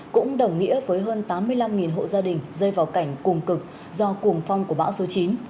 cũng đồng nghĩa với hơn tám mươi năm hộ gia đình rơi vào cảnh cùng cực do cuồng phong của bão số chín